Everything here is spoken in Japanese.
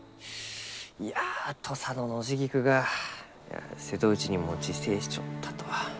いや土佐のノジギクが瀬戸内にも自生しちょったとは。